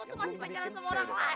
eh emisi ya sebentar